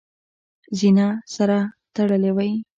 زینه سره تړلې وي .